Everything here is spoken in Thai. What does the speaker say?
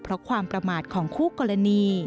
เพราะความประมาทของคู่กรณี